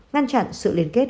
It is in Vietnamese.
ngăn chặn sự liên kết